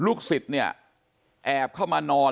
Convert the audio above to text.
หลับสนิทจากการกินยาเพราะอภาษณ์ป่วยลูกศิษย์แอบเข้ามานอน